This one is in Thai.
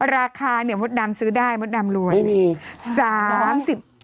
ราคาเนี่ยมดดำซื้อได้มดดำรวย